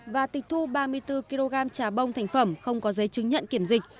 và tịch thu ba mươi bốn kg trà bông thành phẩm không có giấy chứng nhận kiểm dịch